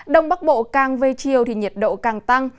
đông bắc bộ càng về chiều thì nhiệt độ càng tăng